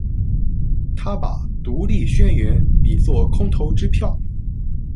他把《独立宣言》比作空头支票。